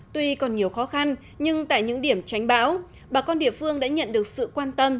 tuy còn nhiều khó khăn nhưng tại những điểm tránh bão bà con địa phương đã nhận được sự quan tâm